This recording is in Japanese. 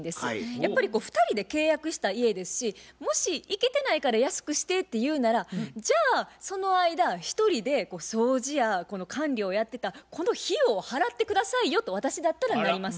やっぱり２人で契約した家ですしもし行けてないから安くしてっていうならじゃあその間一人で掃除や管理をやってたこの費用を払って下さいよと私だったらなります。